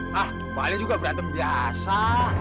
nah paling juga berantem biasa